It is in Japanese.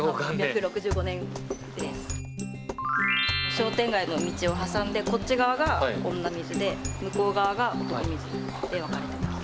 商店街の道を挟んでこっち側が女清水で向こう側が男清水で分かれてます。